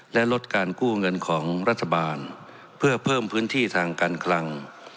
และลดการกู้เงินของรัฐบาลเพื่อเพิ่มพื้นที่ทางการคลัง